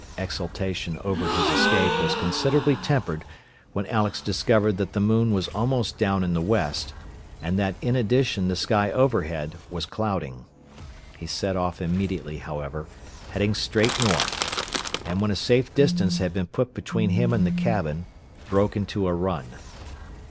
Exultation over his escape was considerably tempered when Alex discovered that the moon was almost down in the west, and that in addition the sky overhead was clouding. He set off immediately, however, heading straight north, and when a safe distance had been put between him and the cabin, broke into a run.